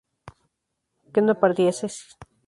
que no partieseis